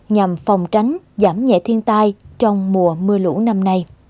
nhằm phòng tránh giảm nhẹ thiên tai trong mùa mưa lũ năm nay